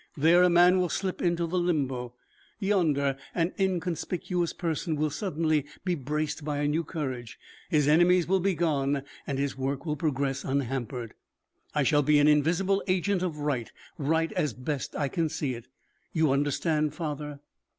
There a man will slip into the limbo. Yonder an inconspicuous person will suddenly be braced by a new courage; his enemies will be gone and his work will progress unhampered. I shall be an invisible agent of right right as best I can see it. You understand, father?"